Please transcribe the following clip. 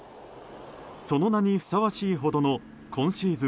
その名にふさわしいほどの今シーズン